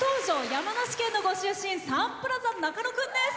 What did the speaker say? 山梨県のご出身サンプラザ中野くんです。